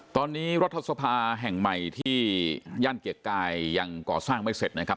ตอนนี้รัฐสภาแห่งใหม่ที่ย่านเกียรติกายยังก่อสร้างไม่เสร็จนะครับ